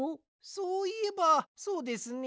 そういえばそうですね。